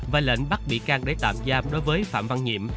và lệnh bắt bị can để tạm giam đối với phạm văn nhiệm